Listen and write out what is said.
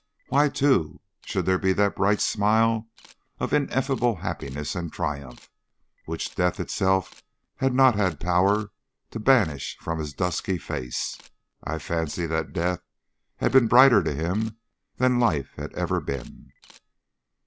Why too should there be that bright smile of ineffable happiness and triumph, which death itself had not had power to banish from his dusky face? I fancy that death had been brighter to him than life had ever been.